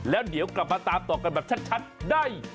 แล้วเดี๋ยวกลับมาตามต่อกันแบบชัดได้